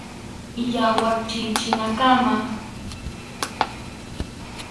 Yawar chilchinankama.